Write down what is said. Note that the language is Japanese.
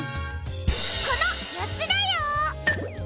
このよっつだよ！